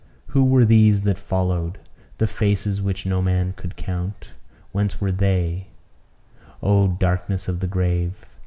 Who were these that followed? The faces, which no man could count whence were they? "Oh, darkness of the grave!"